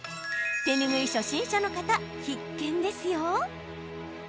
手ぬぐい初心者の方、必見ですよ。